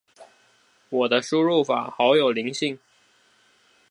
我的輸入法好有靈性